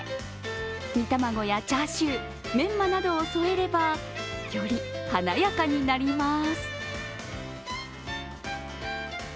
煮卵やチャーシュー、メンマなどを添えればより華やかになります。